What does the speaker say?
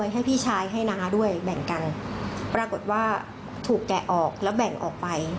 ให้พี่ชายให้น้าด้วยแบ่งกันปรากฏว่าถูกแกะออกแล้วแบ่งออกไป